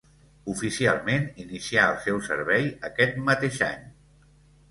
Oficialment inicià el seu servei aquest mateix any.